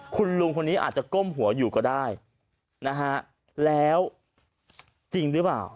คุณลุงคนนี้อาจจะก้มหัวอยู่ก็ได้นะฮะแล้วจริงหรือเปล่า